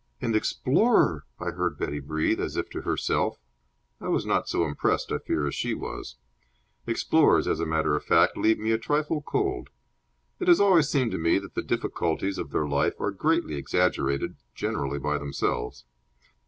"An explorer!" I heard Betty breathe, as if to herself. I was not so impressed, I fear, as she was. Explorers, as a matter of fact, leave me a trifle cold. It has always seemed to me that the difficulties of their life are greatly exaggerated generally by themselves.